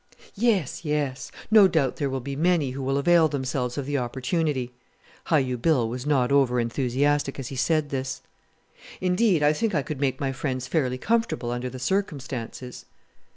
"Yes, yes; no doubt there will be many who will avail themselves of the opportunity." Hi u Bill was not over enthusiastic as he said this. "Indeed, I think I could make my friends fairly comfortable under the circumstances."